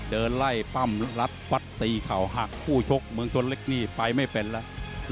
เดินไล่ปั้มรัดฟัดตีเข่าหักคู่ชกเมืองชนเล็กนี่ไปไม่เป็นแล้ว